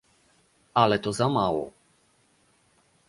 Ale to za mało